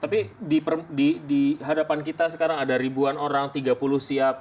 tapi di hadapan kita sekarang ada ribuan orang tiga puluh siap